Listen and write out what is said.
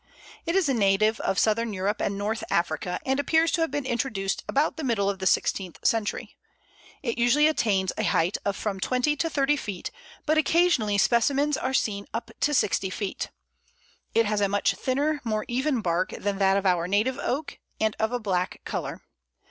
It is a native of Southern Europe and North Africa, and appears to have been introduced about the middle of the sixteenth century. It usually attains a height of from twenty to thirty feet, but occasionally specimens are seen up to sixty feet. It has a much thinner, more even bark than that of our native Oak, and of a black colour.